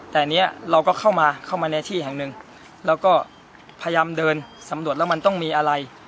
แต่อันนี้เราก็เข้ามาเข้ามาในที่แห่งหนึ่งแล้วก็พยายามเดินสำรวจแล้วมันต้องมีอะไร